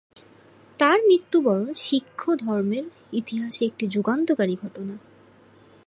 তার মৃত্যুবরণ শিখধর্মের ইতিহাসে একটি যুগান্তকারী ঘটনা।